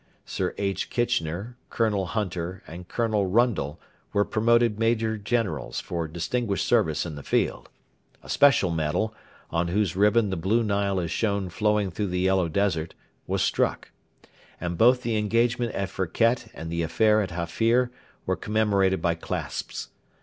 Sir H. Kitchener, Colonel Hunter, and Colonel Rundle were promoted Major Generals for distinguished service in the field; a special medal on whose ribbon the Blue Nile is shown flowing through the yellow desert was struck; and both the engagement at Firket and the affair at Hafir were commemorated by clasps.